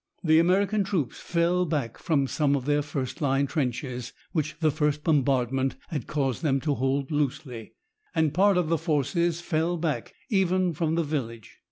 The American troops fell back from some of their first line trenches, which the first bombardment had caused them to hold loosely, and part of the forces fell back even from the village.